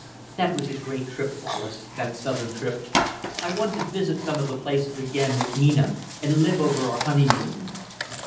"That was a great trip, Wallace that southern trip. I want to visit some of the places again with Mina and live over our honeymoon.